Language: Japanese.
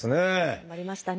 頑張りましたね。